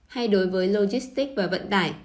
hay đối với logistics và vận tải